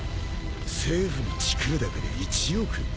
政府にチクるだけで１億？